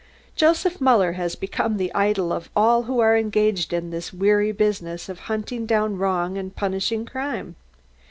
Joseph Muller has become the idol of all who are engaged in this weary business of hunting down wrong and punishing crime.